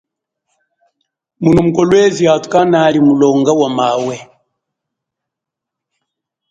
Muno mu Kolwezi athu kanali mulonga wa mawe.